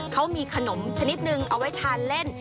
เขามีขนมชนิดนึงเอาไว้ทานเล่น